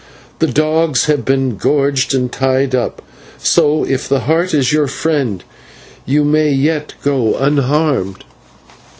The dogs have been gorged and tied up, so, if the Heart is your friend, you may yet go unharmed."